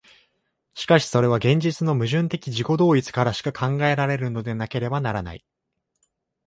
しかしそれは現実の矛盾的自己同一からしか考えられるのでなければならない。